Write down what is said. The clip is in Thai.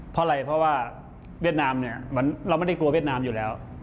เพราะไงเพราะว่าเวียดนามเราไม่ได้กลัวเวียดนามอยู่แล้ว